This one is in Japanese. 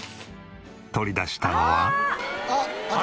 取り出したのは。